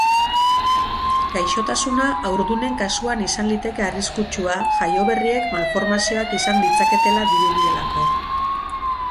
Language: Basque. Gaixotasuna haurdunen kasuan izan liteke arriskutsua, jaioberriek malformazioak izan ditzaketela dirudielako.